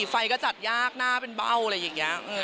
ไฟก็จัดยากหน้าเป็นเบ้าอะไรอย่างนี้